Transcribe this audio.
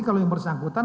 kalau yang bersangkutan